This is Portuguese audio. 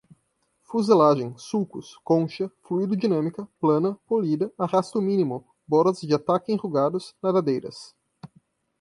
fuselagem, sulcos, concha, fluidodinâmica, plana, polida, arrasto mínimo, borods de ataque enrugados, nadadeiras